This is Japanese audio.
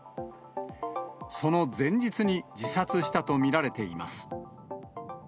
その前日に自殺したと見られています。